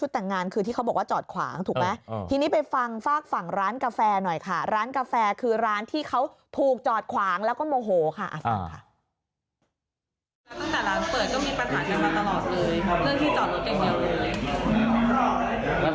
ตั้งแต่ร้านเปิดก็มีปัญหากันมาตลอดเลยเพราะเรื่องที่จอดรถอย่างเดียวเลย